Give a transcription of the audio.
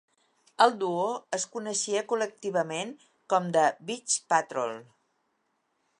El duo es coneixia col·lectivament com The Beach Patrol.